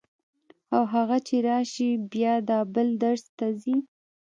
او هغه چې راشي بیا دا بل درس ته ځي.